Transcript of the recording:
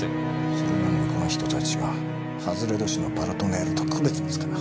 それなのにこの人たちは外れ年の「パルトネール」と区別もつかなかった。